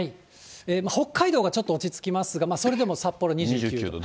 北海道がちょっと落ち着きますが、それでも札幌２９度。